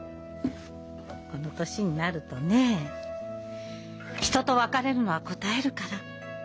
この年になるとね人と別れるのはこたえるから。